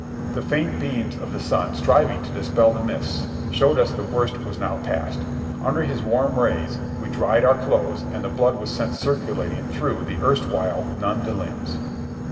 The faint beams of the sun striving to dispel the mists showed us the worst was now passed; under his warm rays we dried our clothes and the blood was sent circulating through the erstwhile numbed limbs.